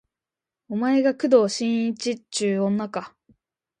お前が工藤新一っちゅう女か